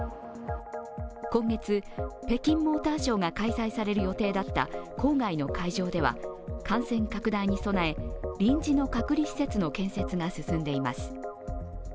今月、北京モーターショーが開催される予定だった郊外の会場では感染拡大に備え、臨時の隔離施設の建設が進んでいます。